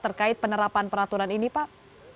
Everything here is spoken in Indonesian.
terkait penerapan peraturan ini pak